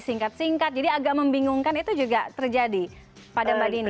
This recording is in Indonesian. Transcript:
jadi singkat singkat jadi agak membingungkan itu juga terjadi pada mbak dini